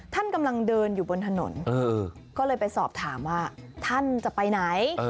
ท่านกำลังเดินอยู่บนถนนก็เลยไปสอบถามว่าท่านจะไปไหน